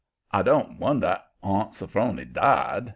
I don't wonder Aunt Sophrony died.